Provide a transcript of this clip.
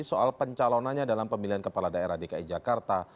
soal pencalonannya dalam pemilihan kepala daerah dki jakarta